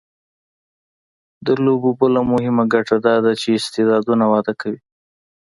د لوبو بله مهمه ګټه دا ده چې استعدادونه وده کوي.